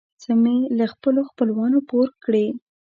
څه مې له خپلو خپلوانو پور کړې.